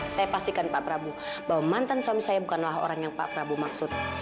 saya pastikan pak prabowo bahwa mantan suami saya bukanlah orang yang pak prabowo maksud